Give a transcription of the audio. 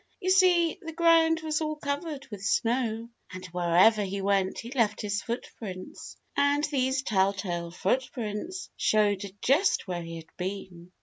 You see, the ground was all covered with snow and wherever he went he left his footprints. And these telltale footprints showed just where he had been.